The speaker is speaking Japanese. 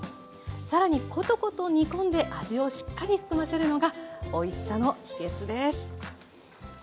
更にコトコト煮込んで味をしっかり含ませるのがおいしさの秘けつです。